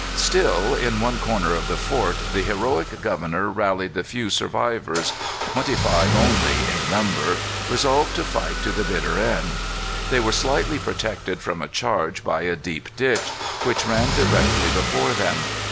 Still, in one corner of the fort, the heroic governor rallied the few survivors, twenty five only in number, resolved to fight to the bitter end. They were slightly protected from a charge by a deep ditch, which ran directly before them.